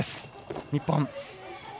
日本。